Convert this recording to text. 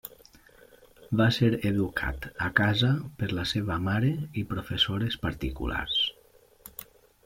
Va ser educat a casa per la seva mare i professores particulars.